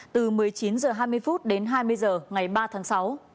từ một mươi chín h hai mươi đến hai mươi h ngày ba tháng sáu